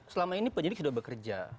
selama ini penyidik sudah bekerja